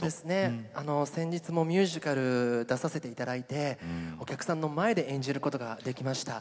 先日もミュージカルに出させていただいてお客様の前で演じることができました。